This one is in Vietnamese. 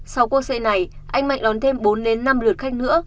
sau cuộc xe này anh mạnh đón thêm bốn năm lượt khách nữa